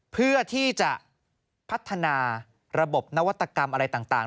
เพื่อที่จะพัฒนาระบบนวัตกรรมอะไรต่าง